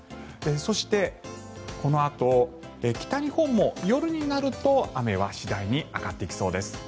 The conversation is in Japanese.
そして、このあと北日本も夜になると雨は次第に上がってきそうです。